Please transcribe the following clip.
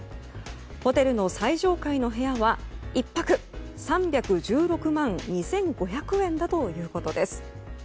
ホテルの最上階の部屋は１泊３１６万２５００円だということです。